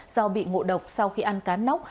do bị ngộ độc sau khi ăn cá nóc